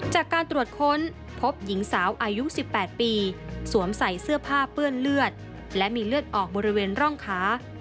จากการตรวจค้นพบหญิงสาวอายุ๑๘ปีสวมใส่เสื้อผ้าเปื้อนเลือดและมีเลือดออกบริเวณร่องขา